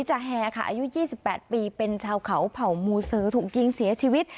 จาแฮค่ะอายุยี่สิบแปดปีเป็นชาวเขาเผ่ามูเสือถูกยิงเสียชีวิต